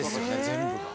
全部が。